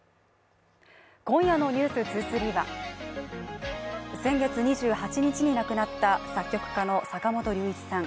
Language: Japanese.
今夜の「ｎｅｗｓ２３」は先月２８日に亡くなった作曲家の坂本龍一さん。